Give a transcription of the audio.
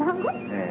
ええ。